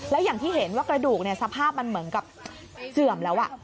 แล้วอย่างที่เห็นว่ากระดูกสภาพมันเหมือนกับเสื่อมแล้ว